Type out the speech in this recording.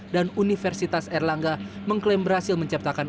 dan universitas erlangga mengklaim berhasil menciptakan